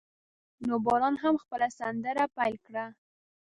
نو باران هم خپل سندره پیل کړه.